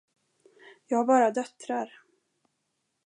Jag har bara döttrar.